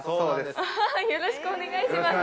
よろしくお願いします。